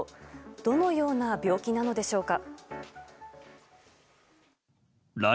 どのような病気なのでしょうか。